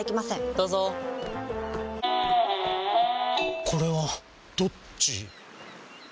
どうぞこれはどっち？